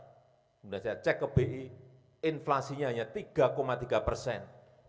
kemudian saya cek ke bi inflasinya hanya tiga tiga persen